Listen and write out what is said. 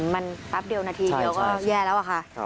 มันแป๊บเดียวนาทีเดียวก็แย่แล้วอะค่ะ